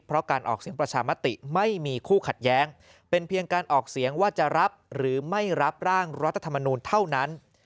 เพราะการออกเสียงประชามติไม่มีคู่ขัดแย้งเป็นเพียงการออกเสียงว่าจะรับหรือไม่รับร่างรัฐธรรมนูลเท่านั้น